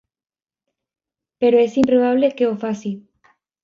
Però és improbable que ho faci.